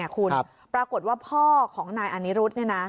คุณปรากฏว่าพ่อของนายอานิรุธ